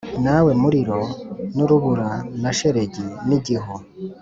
Nawe muriro n urubura na shelegi n igihu